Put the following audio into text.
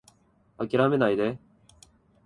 諦めないで